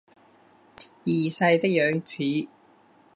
二世的养子。